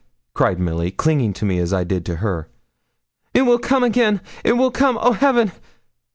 cried Milly, clinging to me as I did to her. 'It will come again; it will come; oh, heaven!'